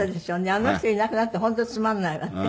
あの人いなくなって本当につまらないわ。